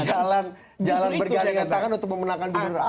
jalan bergalingan tangan untuk memenangkan benar ahok